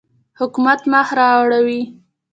حکومت مخ را اړوي.